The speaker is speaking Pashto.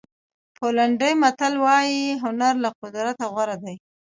پولنډي متل وایي هنر له قدرت غوره دی.